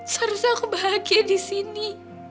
seharusnya aku bahagia di sini